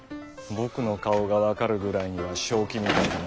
僕の顔が分かるぐらいには正気みたいだな。